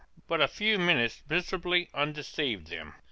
But a few minutes miserably undeceived them.